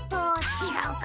ちがうか。